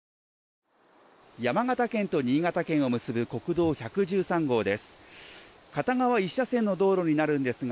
山形県と新潟県を結ぶ国道１１３号です。